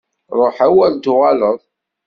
Ruḥ, a wer d-tuɣaleḍ!